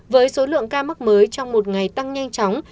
với số lượng ca mắc mới trong một ngày tăng nhanh chóng